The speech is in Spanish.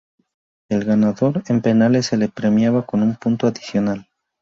Al ganador en penales se le premiaba con un punto adicional.